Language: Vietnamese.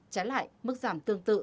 trái lại mức giảm tương tự